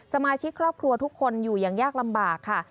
สมาชิกครอบครัวทุกคนอยู่อย่างยากลำบากค่ะ